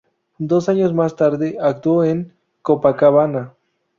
Dos años más tarde actuó en "Copacabana".